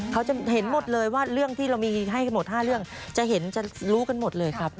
เขาจะเห็นหมดเลยว่าเรื่องที่เรามีให้กันหมด๕เรื่องจะเห็นจะรู้กันหมดเลยครับ